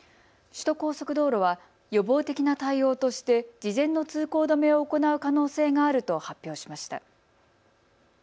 首都高速道路は予防的な対応として事前の通行止めを行う可能性があると発表しました。